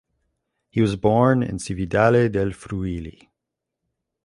He was born in Cividale del Friuli.